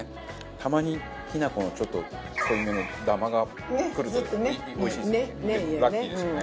たまにきなこのちょっと濃いめのダマがくるとおいしいラッキーですよね。